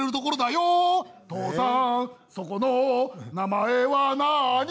「お父さんそこの名前はなあに？」